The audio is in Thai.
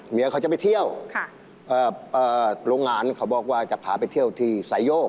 เขาจะไปเที่ยวโรงงานเขาบอกว่าจะพาไปเที่ยวที่สายโยก